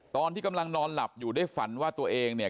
ตอนที่กำลังนอนหลับอยู่ได้ฝันว่าตัวเองเนี่ย